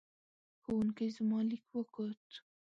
ښوونکې زما لیک وکوت.